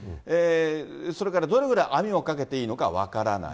それからどれぐらい網をかけていいのか分からない。